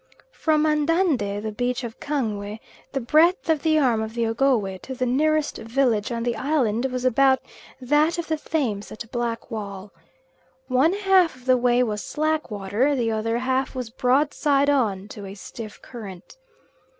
From Andande, the beach of Kangwe, the breadth of the arm of the Ogowe to the nearest village on the island, was about that of the Thames at Blackwall. One half of the way was slack water, the other half was broadside on to a stiff current.